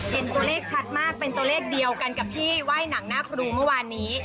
เห็นตัวเลขชัดมากเป็นตัวเลขเดียวกันกับที่ไหว้หนังหน้าครูเมื่อวานนี้